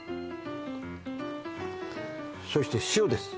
そして塩です